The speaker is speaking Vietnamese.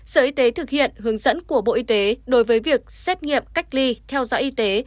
sở y tế thực hiện hướng dẫn của bộ y tế đối với việc xét nghiệm cách ly theo dõi y tế